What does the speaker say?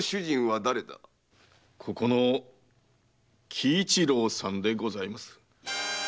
ここの喜一郎さんでございます。